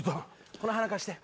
この花貸して。